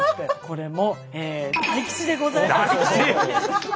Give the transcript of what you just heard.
これも大吉でございます。